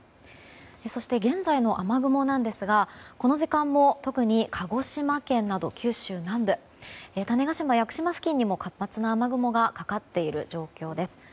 そして、現在の雨雲なんですがこの時間も特に鹿児島県など九州南部種子島や屋久島付近にも活発な雨雲がかかっている状況です。